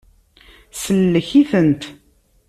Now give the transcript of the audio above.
Sellek-itent.